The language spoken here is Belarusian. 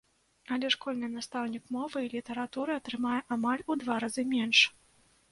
Але школьны настаўнік мовы і літаратуры атрымае амаль у два разы менш!